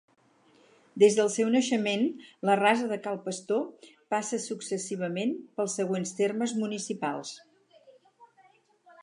Des del seu naixement, la Rasa de Cal Pastor passa successivament pels següents termes municipals.